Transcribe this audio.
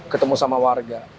ketemu sama warga